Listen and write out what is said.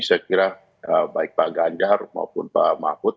saya kira baik pak ganjar maupun pak mahfud